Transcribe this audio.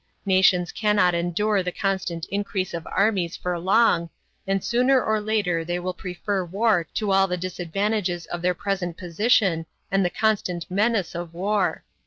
Nations cannot endure the constant increase of armies for long, and sooner or later they will prefer war to all the disadvantages of their present position and the constant menace of war.